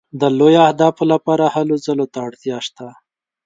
د لویو اهدافو لپاره هلو ځلو ته اړتیا شته.